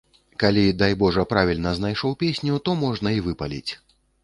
Калі, дай божа, правільна знайшоў песню, то можна і выпаліць.